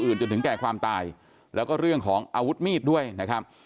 จนถึงแก่ความตายแล้วก็เรื่องของอาวุธมีดด้วยนะครับ